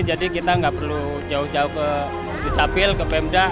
jadi kita tidak perlu jauh jauh ke capil ke pemda